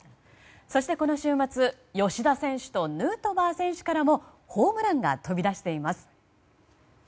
そして、この週末吉田選手とヌートバー選手からもホームランが飛び出しています。